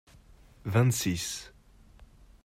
vingt six.